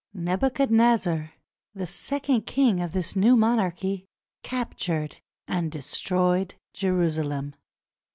Nebuchadnezzar, the second king of this new monarchy, captured and destroyed Jerusalem.